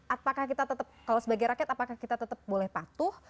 apakah kita tetap kalau sebagai rakyat apakah kita tetap boleh patuh